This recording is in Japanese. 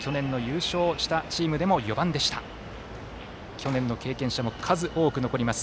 去年の経験者も数多く残ります